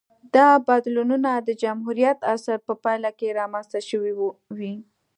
دا بدلونونه د جمهوریت عصر په پایله کې رامنځته شوې وې